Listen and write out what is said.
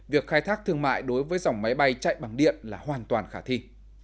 việc khai thác thương mại đối với dòng máy bay chạy bằng điện là hoàn toàn khả thi